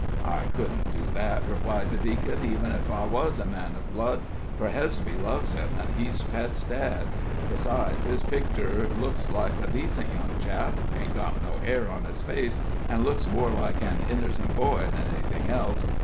"I couldn't do that," replied the deacon, "even ef I was a man uv blood; fur Hesby loves him, an' he's Pet's dad; Besides, his pictur looks like a decent young chap ain't got no hair on his face, an' looks more like an innercent boy than anythin' else.